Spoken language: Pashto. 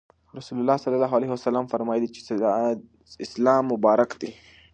رسول الله صلی الله عليه وسلم فرمایلي چې سلام مبارک دی.